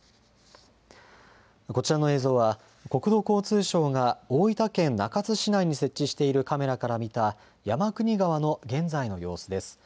こちらの映像は、国土交通省が大分県中津市内に設置しているカメラから見た、山国川の現在の様子です。